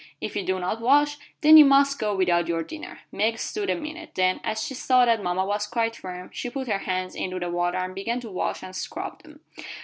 If you do not wash, then you must go without your dinner." Meg stood a minute, then, as she saw that mama was quite firm, she put her hands into the water and began to wash and scrub them.